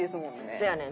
せやねん。